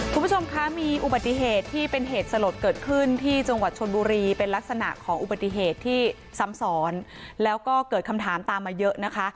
คุณผู้ชมคะมีอุบัติเหตุที่เป็นเหตุสลดเกิดขึ้นที่จังหวัดชนบุรีเป็นลักษณะของอุบัติเหตุที่ซ้ำซ้อนแล้วก็เกิดคำถามตามมาเยอะนะคะ